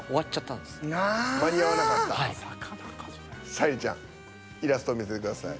沙莉ちゃんイラスト見せてください。